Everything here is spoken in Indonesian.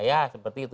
ya seperti itu